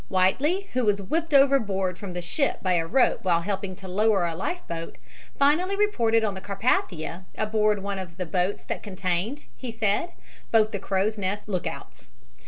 Whiteley, who was whipped overboard from the ship by a rope while helping to lower a life boat, finally reported on the Carpathia aboard one of the boats that contained, he said, both the crow's nest lookouts.